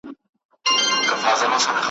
پر کابل مي جنګېدلی بیرغ غواړم ,